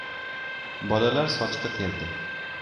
Bolalar sochqi terdi.